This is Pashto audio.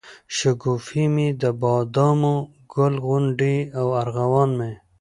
شګوفې مي دبادامو، ګل غونډۍ او ارغوان مي